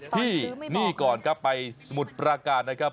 ที่นี่ก่อนครับไปสมุทรปราการนะครับ